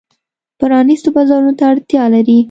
پرانیستو بازارونو ته اړتیا لري.